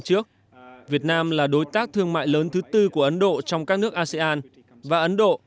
trước việt nam là đối tác thương mại lớn thứ tư của ấn độ trong các nước asean và ấn độ